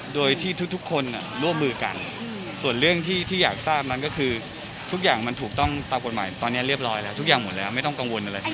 โดยที่ทุกคนร่วมมือกันส่วนเรื่องที่อยากทราบมันก็คือทุกอย่างมันถูกต้องตามกฎหมายตอนนี้เรียบร้อยแล้วทุกอย่างหมดแล้วไม่ต้องกังวลอะไร